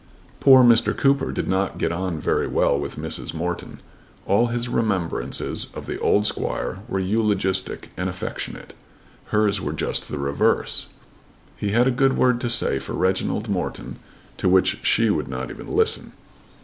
Poor Mr. Cooper did not get on very well with Mrs. Morton. All his remembrances of the old squire were eulogistic and affectionate. Hers were just the reverse. He had a good word to say for Reginald Morton, to which she would not even listen.